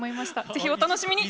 是非お楽しみに！